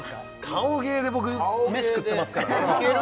顔芸で僕飯食ってますからね顔芸でいける？